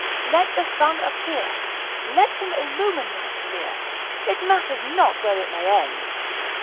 Let the sun appear! let him illumine my career! it matters not where it may end."